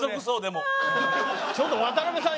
ちょっと渡部さん